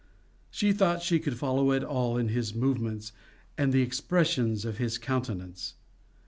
She thought she could follow it all in his movements and the expressions of his countenance.